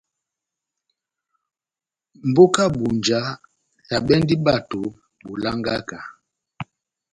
Mbóka ya Ebunja ehabɛndi bato bolangaka.